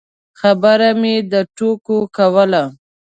خبره مې د ټوکو کوله.